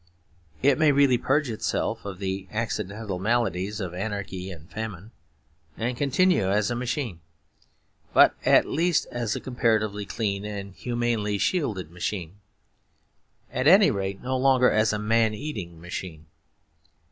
It may really purge itself of the accidental maladies of anarchy and famine; and continue as a machine, but at least as a comparatively clean and humanely shielded machine; at any rate no longer as a man eating machine.